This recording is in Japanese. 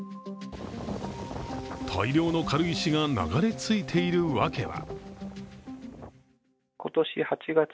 大量の軽石が流れ着いているわけは。